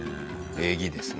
礼儀ですね。